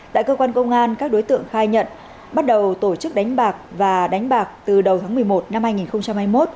tại cơ quan công an các đối tượng khai nhận bắt đầu tổ chức đánh bạc và đánh bạc từ đầu tháng một mươi một năm hai nghìn hai mươi một